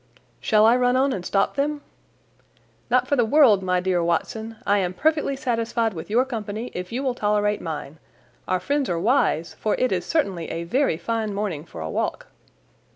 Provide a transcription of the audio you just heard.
"Shall I run on and stop them?" "Not for the world, my dear Watson. I am perfectly satisfied with your company if you will tolerate mine. Our friends are wise, for it is certainly a very fine morning for a walk."